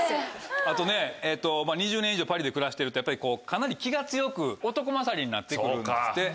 あとね２０年以上パリで暮らしてるとかなり気が強く男勝りになって来るんですって。